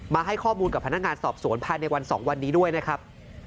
ให้ข้อมูลกับพนักงานสอบสวนภายในวัน๒วันนี้ด้วยนะครับ